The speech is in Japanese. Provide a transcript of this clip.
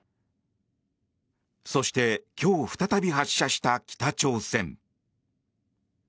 そして今日再び発射した北朝鮮。